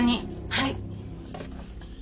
はい。